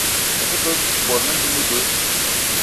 Me te ke bot mendim ibeu.